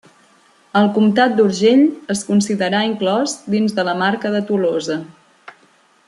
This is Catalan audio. El comtat d'Urgell es considerà inclòs dins de la Marca de Tolosa.